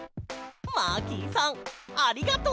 マーキーさんありがとう！